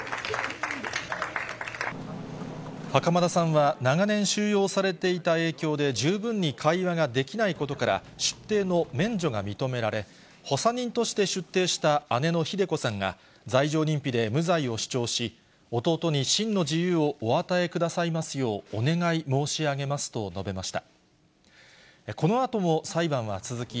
袴田さんは長年収容されていた影響で、十分に会話ができないことから、出廷の免除が認められ、補佐人として出廷した姉のひで子さんが罪状認否で無罪を主張し、弟に真の自由をお与えくださいますようお願い申し上げますと述べました。